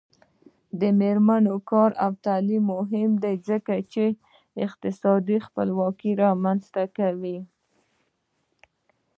د میرمنو کار او تعلیم مهم دی ځکه چې اقتصادي خپلواکي رامنځته کوي.